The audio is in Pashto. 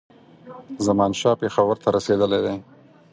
زمانشاه پېښور ته رسېدلی دی.